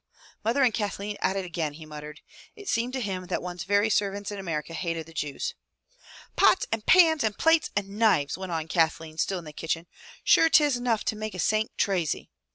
Mother and Kathleen at it again!'' he muttered. It seemed to him that one's very servants in America hated the Jews. "Pots and pans and plates and knives!" went on Kathleen still in the kitchen. "Sure, 'tis enough to make a saint chrazy!"